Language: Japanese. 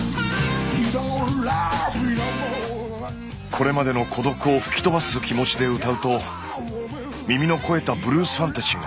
これまでの孤独を吹き飛ばす気持ちで歌うと耳の肥えたブルースファンたちがノリ始めました。